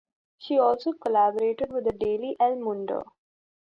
She also collaborated with the daily "El Mundo".